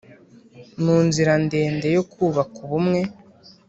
mu nzira ndende yo kubaka ubumwe